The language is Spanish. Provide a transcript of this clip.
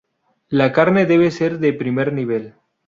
La carne debe ser de primer nivel.